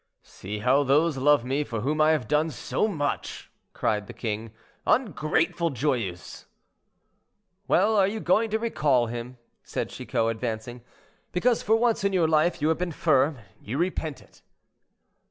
"See how those love me, for whom I have done so much," cried the king; "ungrateful Joyeuse!" "Well, are you going to recall him?" said Chicot, advancing. "Because, for once in your life, you have been firm, you repent it."